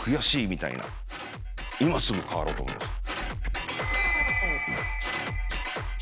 今すぐ変わろうと思いました。